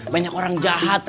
banyak orang jahat